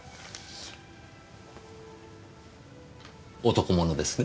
男物ですね？